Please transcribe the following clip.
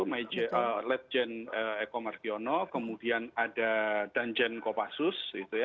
majen eko markiono kemudian ada danjen kopassus